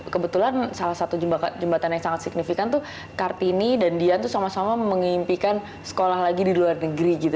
kebetulan salah satu jembatan yang sangat signifikan tuh kartini dan dian tuh sama sama mengimpikan sekolah lagi di luar negeri gitu